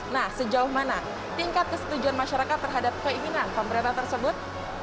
nah sejauh mana tingkat kesetujuan masyarakat terhadap keinginan pemerintah tersebut